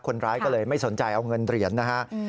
คนร้ายก็เลยไม่สนใจเอาเงินเหรียญนะฮะ